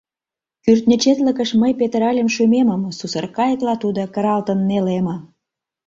Кӱртньӧ четлыкыш мый петыральым шӱмемым, сусыр кайыкла тудо кыралтын нелеме.